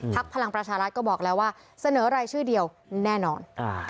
พลังประชารัฐก็บอกแล้วว่าเสนอรายชื่อเดียวแน่นอน